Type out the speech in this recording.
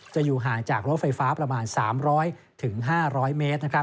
จะอยู่ห่างจากรถไฟฟ้าประมาณ๓๐๐๕๐๐เมตร